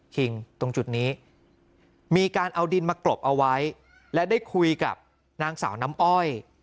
คิงตรงจุดนี้มีการเอาดินมากรบเอาไว้และได้คุยกับนางสาวน้ำอ้อย